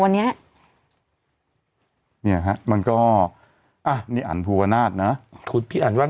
วันนี้เนี่ยฮะมันก็อ่ะนี่อันภูวนาศนะพี่อันว่าง